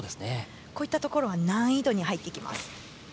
こういったところは難易度に入ってきます。